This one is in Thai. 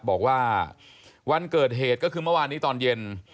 บอกว่าวันเกิดเหตุก็คือเมื่อวานนี้ตอนเย็น